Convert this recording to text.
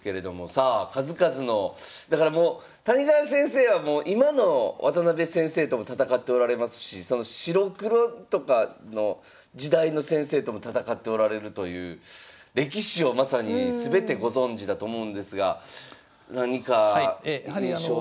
さあ数々のだからもう谷川先生は今の渡辺先生とも戦っておられますし白黒とかの時代の先生とも戦っておられるという歴史をまさに全てご存じだと思うんですが何か印象。